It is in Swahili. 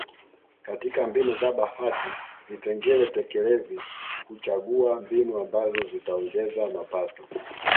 Katika mbinu za bahati vipengele tekelezi huchagua mbinu ambazo zitaongeza mapato